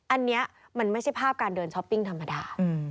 อันนี้มันไม่ใช่ภาพการเดินช้อปปิ้งธรรมดา